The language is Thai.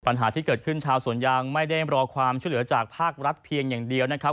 ปัญหาที่เกิดขึ้นชาวสวนยางไม่ได้รอความช่วยเหลือจากภาครัฐเพียงอย่างเดียวนะครับ